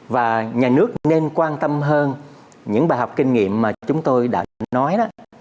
và nhà nước nên quan tâm hơn những bài học kinh nghiệm mà chúng tôi đã nói đó